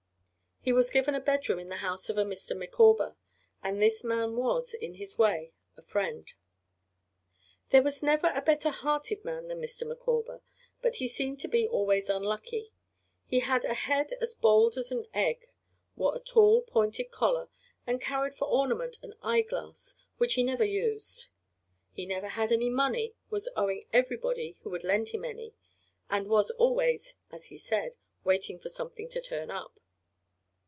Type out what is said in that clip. He was given a bedroom in the house of a Mr. Micawber, and this man was, in his way, a friend. There was never a better hearted man than Mr. Micawber, but he seemed to be always unlucky. He had a head as bald as an egg, wore a tall, pointed collar, and carried for ornament an eye glass which he never used. He never had any money, was owing everybody who would lend him any, and was always, as he said, "waiting for something to turn up."